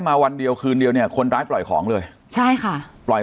มาวันเดียวคืนเดียวเนี่ยคนร้ายปล่อยของเลยใช่ค่ะปล่อย